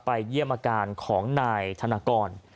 เยี่ยมอาการของนายธนกร